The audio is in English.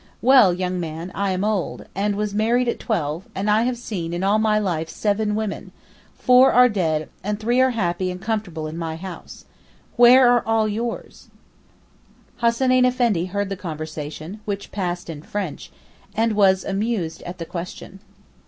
'Well, young man, I am old, and was married at twelve, and I have seen in all my life seven women; four are dead, and three are happy and comfortable in my house. Where are all yours?' Hassaneyn Effendi heard the conversation, which passed in French, and was amused at the question.